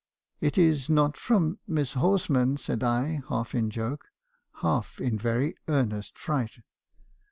" 'It is not from Miss Horsman?' said I, half in joke, — half in very earnest fright.